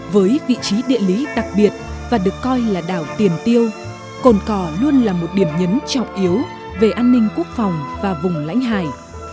với vị trí địa lý đặc biệt và được coi là đảo tiền tiêu cồn cỏ luôn là một điểm nhấn trọng yếu về an ninh quốc phòng và vùng lãnh hải